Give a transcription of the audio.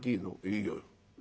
「いいよ」。